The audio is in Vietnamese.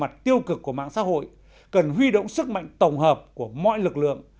mặt tiêu cực của mạng xã hội cần huy động sức mạnh tổng hợp của mọi lực lượng